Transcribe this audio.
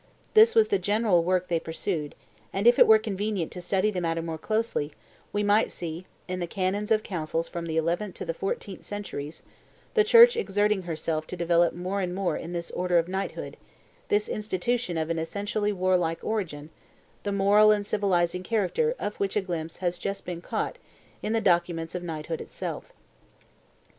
This was the general work they pursued; and, if it were convenient to study the matter more closely, we might see, in the canons of councils from the eleventh to the fourteenth centuries, the Church exerting herself to develop more and more in this order of knight hood, this institution of an essentially warlike origin, the moral and civilizing character of which a glimpse has just been caught in the documents of knighthood itself.